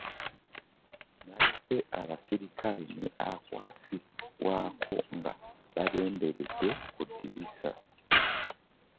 Naleka abaserikale ne Akwasi waakwo nga babemberedde ku ddirisa.